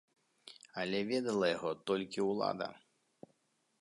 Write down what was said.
Але ведала яго толькі ўлада.